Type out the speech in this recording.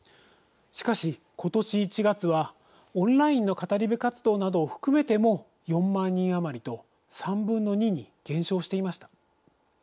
しかし、ことし１月はオンラインの語り部活動などを含めても４万人余りと３分の２に減少していました。